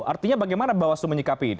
artinya bagaimana bawaslu menyikapi ini